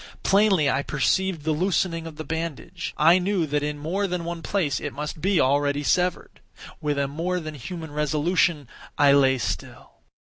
Plainly I perceived the loosening of the bandage. I knew that in more than one place it must be already severed. With a more than human resolution I lay still.